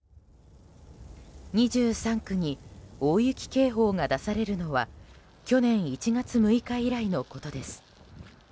２３区に大雪警報が出されるのは去年１月６日以来のことです。